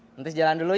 nanti jalan dulu yah